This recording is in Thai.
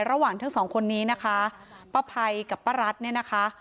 ระหว่างทั้งสองคนนี้นะคะป้าภัยกับป้ารัฐเนี่ยนะคะ